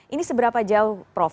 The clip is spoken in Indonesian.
ini seberapa jauh prof